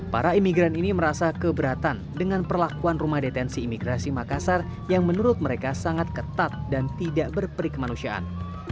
para imigran ini merasa keberatan dengan perlakuan rumah detensi imigrasi makassar yang menurut mereka sangat ketat dan tidak berperi kemanusiaan